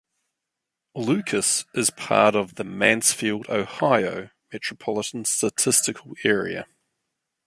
Lucas is part of the Mansfield, Ohio Metropolitan Statistical Area.